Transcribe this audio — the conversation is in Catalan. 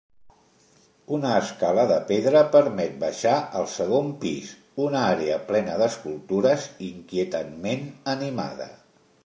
Una escala de pedra permet baixar al segon pis, una àrea plena d'escultures inquietantment animada.